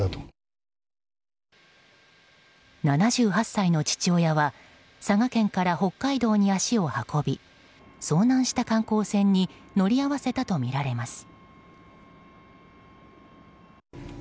７８歳の父親は佐賀県から北海道に足を運び遭難した観光船に乗り合わせたとみられます。